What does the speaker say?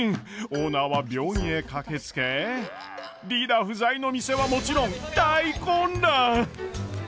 オーナーは病院へ駆けつけリーダー不在の店はもちろん大混乱！